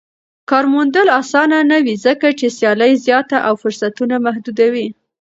کار موندل اسانه نه وي ځکه چې سيالي زياته او فرصتونه محدود وي.